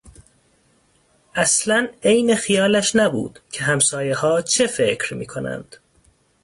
اصلا عین خیالش نبود که همسایهها چه فکر میکنند.